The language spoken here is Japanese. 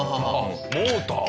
モーター！